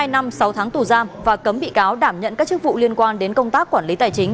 hai năm sáu tháng tù giam và cấm bị cáo đảm nhận các chức vụ liên quan đến công tác quản lý tài chính